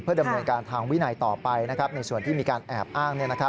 ดำเนินการทางวินัยต่อไปในส่วนที่มีการแอบอ้าง